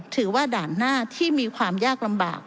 ถือว่าด่านหน้าที่มีความยากลำบาก